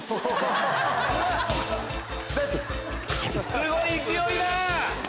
すごい勢いだ！